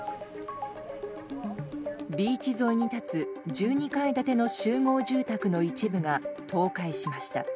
ビーチ沿いに立つ１２階建ての集合住宅の一部が倒壊しました。